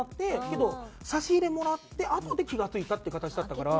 けど差し入れもらってあとで気が付いたって形だったから。